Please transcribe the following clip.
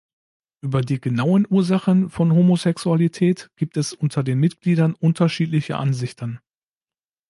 Über die genauen Ursachen von Homosexualität gibt es unter den Mitgliedern unterschiedliche Ansichten.